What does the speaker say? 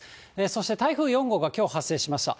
そして台風４号がきょう発生しました。